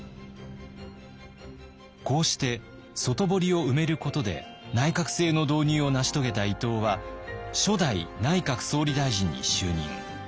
こうして外堀を埋めることで内閣制の導入を成し遂げた伊藤は初代内閣総理大臣に就任。